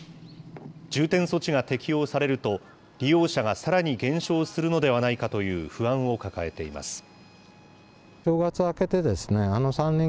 重点措置が適用されると、利用者がさらに減少するのではないかという不安を抱えています。